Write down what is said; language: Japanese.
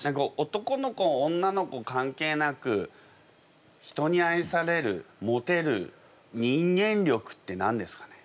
男の子女の子関係なく人に愛されるモテる人間力って何ですかね？